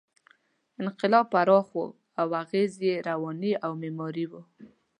انقلاب پراخ و او اغېز یې رواني او معماري و.